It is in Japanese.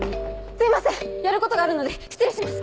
すいませんやることがあるので失礼します！